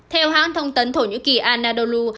theo hãng thông tấn thổ nhĩ kỳ anadolu